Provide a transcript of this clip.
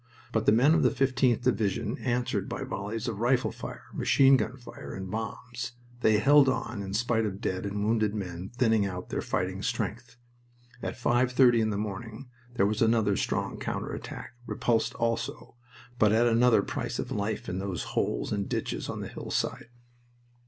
But the men of the 15th Division answered by volleys of rifle fire, machine gun fire, and bombs. They held on in spite of dead and wounded men thinning out their fighting strength. At five thirty in the morning there was another strong counter attack, repulsed also, but at another price of life in those holes and ditches on the hillside.